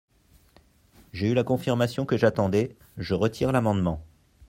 J’ai eu la confirmation que j’attendais, je retire l’amendement.